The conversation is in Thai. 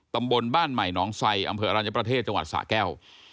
ตำบลบ้านใหม่หนองไซอำเภออรัญญประเทศจังหวัดสะแก้ว